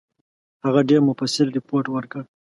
هغه ډېر مفصل رپوټ ورکړ.